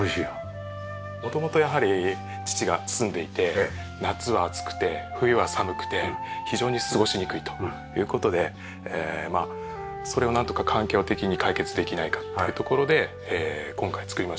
元々やはり父が住んでいて夏は暑くて冬は寒くて非常に過ごしにくいという事でそれをなんとか環境的に解決できないかっていうところで今回造りましたので。